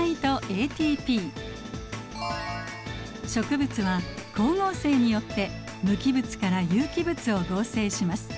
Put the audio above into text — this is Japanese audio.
植物は光合成によって無機物から有機物を合成します。